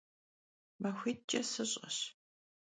Maxuit'ç'e sış'aş.